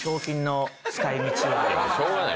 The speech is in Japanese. しょうがない。